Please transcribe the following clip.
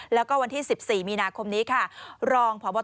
แล้วก็วันที่สิบสี่มีนาคมนี้ค่ะรองพ